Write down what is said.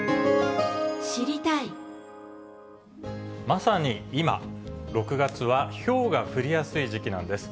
まさに今、６月はひょうが降りやすい時期なんです。